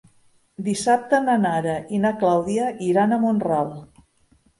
Dissabte na Nara i na Clàudia iran a Mont-ral.